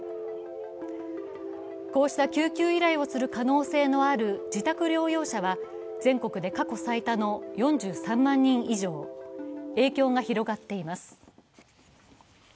こうした救急依頼をする可能性のある自宅療養者は全国で過去最多の４３万人以上、影響が広がっています。